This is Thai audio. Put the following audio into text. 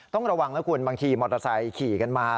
ต้องระวังนะคุณบางทีมอเตอร์ไซค์ขี่กันมา